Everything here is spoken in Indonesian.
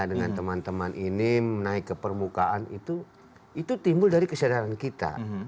dengan teman teman ini naik ke permukaan itu timbul dari kesadaran kita